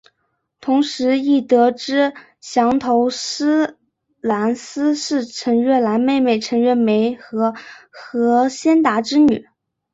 同时亦得知降头师蓝丝是陈月兰妹妹陈月梅和何先达之女。